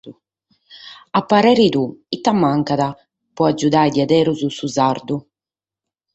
A parre tuo, ite mancat pro agiudare de a beru su sardu?